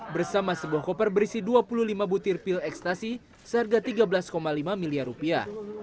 bersama sebuah koper berisi dua puluh lima butir pil ekstasi seharga tiga belas lima miliar rupiah